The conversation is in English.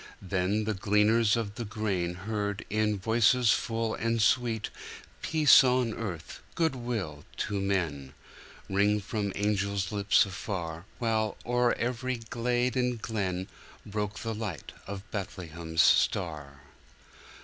Then the gleaners of the grain Heard, in voices full and sweet,"Peace on earth, good will to men," Ring from angel lips afar, While, o'er every glade and glen, Broke the light of Bethlehem's star.